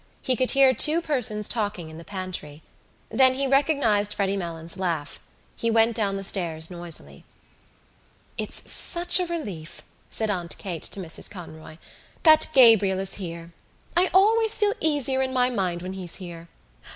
He could hear two persons talking in the pantry. Then he recognised Freddy Malins' laugh. He went down the stairs noisily. "It's such a relief," said Aunt Kate to Mrs Conroy, "that Gabriel is here. I always feel easier in my mind when he's here....